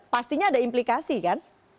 pastinya ada implikasi kan